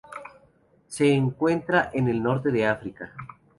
Se encuentra en el Norte de África.